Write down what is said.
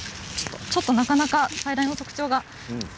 ちょっとなかなか最大の特徴が。